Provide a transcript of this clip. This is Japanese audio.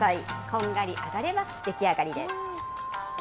こんがり揚がれば出来上がりです。